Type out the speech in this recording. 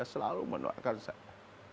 dia selalu mendoakan saya